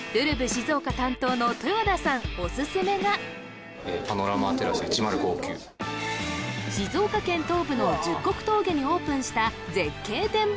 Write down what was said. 静岡担当の豊田さんオススメが静岡県東部の十国峠にオープンした絶景展望台